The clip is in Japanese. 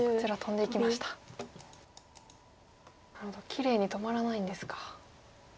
きれいに止まらないんですか。